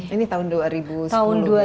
ini tahun dua ribu sepuluh ya